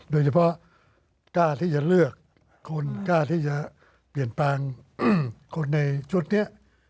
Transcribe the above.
โดยเฉพาะกล้าที่จะเลือกคนกล้าที่จะเปลี่ยนแปลงคนในชุดนี้